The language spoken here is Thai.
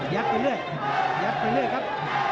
ยัดไปเรื่อยครับ